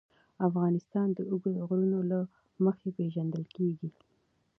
افغانستان د اوږده غرونه له مخې پېژندل کېږي.